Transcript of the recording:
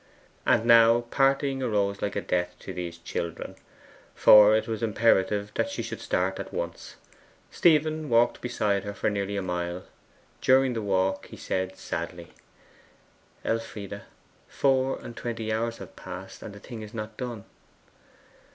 And now parting arose like a death to these children, for it was imperative that she should start at once. Stephen walked beside her for nearly a mile. During the walk he said sadly: 'Elfride, four and twenty hours have passed, and the thing is not done.